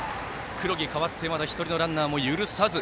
黒木、代わってまだ１人のランナーも許さず。